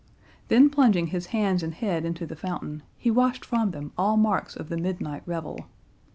Then plunging his hands and head into the fountain, he washed from them all marks of the midnight revel.